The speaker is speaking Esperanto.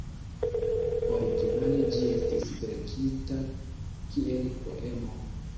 Originale ĝi estis verkita kiel poemo.